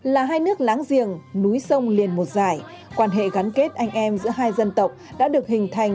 là hai nước láng giềng núi sông liền một dài quan hệ gắn kết anh em giữa hai dân tộc đã được hình thành